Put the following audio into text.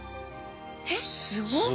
えっすごっ！